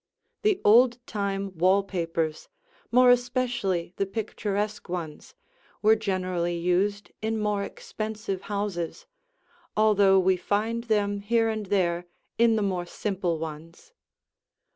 The old time wall papers, more especially the picturesque ones, were generally used in more expensive houses, although we find them here and there in the more simple ones.